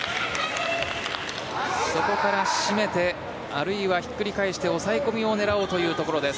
そこから締めてあるいは、ひっくり返して抑え込みを狙おうというところです